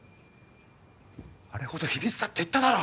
あれほど秘密だって言っただろ！